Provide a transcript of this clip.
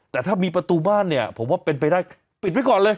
แต่ถ้ามีประตูบ้านเนี่ยผมว่าเป็นไปได้ปิดไว้ก่อนเลย